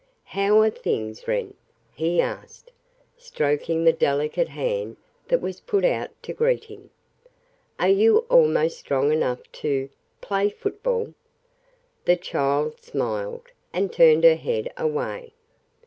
"How are things, Wren?" he asked, stroking the delicate hand that was put out to greet him. "Are you almost strong enough to play football?" The child smiled, and turned her head away.